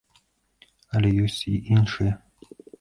Але ёсць і іншыя.